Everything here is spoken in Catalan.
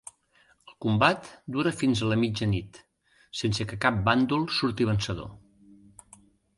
El combat dura fins a la mitjanit, sense que cap bàndol surti vencedor.